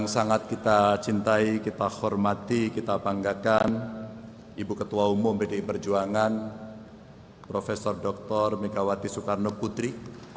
sangat kita cintai kita hormati kita banggakan ibu ketua umum pdi perjuangan prof dr megawati soekarno putri